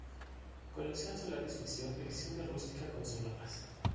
Colección Solaris Ficción: edición en rústica con solapas.